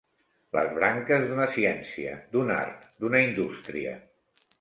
Les branques d'una ciència, d'un art, d'una indústria.